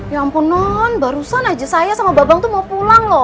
ya ampunan barusan aja saya sama babang tuh mau pulang loh